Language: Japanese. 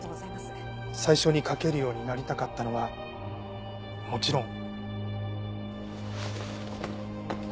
最初に書けるようになりたかったのはもちろん。